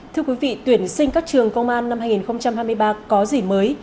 thưa quý vị tuyển sinh các trường công an năm hai nghìn hai mươi ba có gì mới